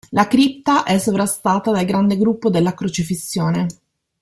La cripta è sovrastata dal grande gruppo della Crocifissione.